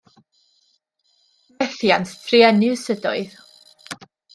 Methiant truenus ydoedd.